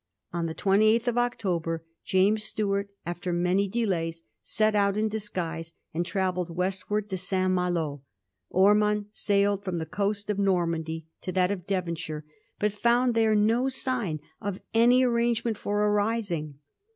On the 28th of October . James Stuart, after many delays, set out in disguise, and travelled westward to St. Malo. Ormond sailed from the coast of Normandj'^ to that of Devonshire, but found there no sign of any arrangement for a rising.